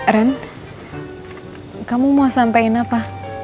ren kamu mau sampein apa